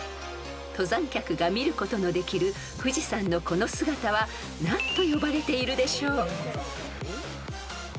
［登山客が見ることのできる富士山のこの姿は何と呼ばれているでしょう？］